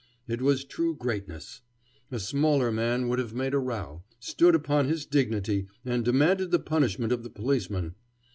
It was true greatness. A smaller man would have made a row, stood upon his dignity and demanded the punishment of the policeman.